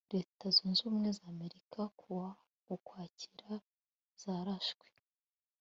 leta zunze ubumwe z amerika ku wa ukwakira zararashwe